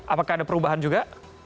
apakah ada perubahan juga